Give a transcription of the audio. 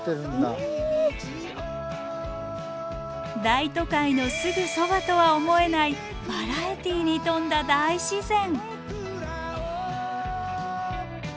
大都会のすぐそばとは思えないバラエティーに富んだ大自然！